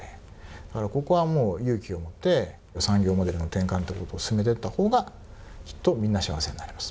だから、ここはもう勇気を持って産業モデルの転換ってことを進めていったほうがきっと、みんな幸せになれます。